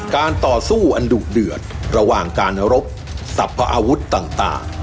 การต่อสู้อันดุเดือดระหว่างการรบสรรพอาวุธต่าง